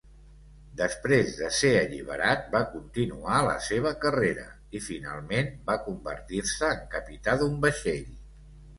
Després de ser alliberat, va continuar la seva carrera i, finalment, va convertir-se en capità d'un vaixell.